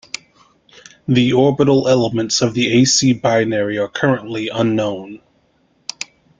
The orbital elements of the A-C binary are currently unknown.